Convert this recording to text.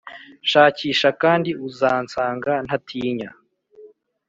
shakisha kandi uzansanga ntatinya.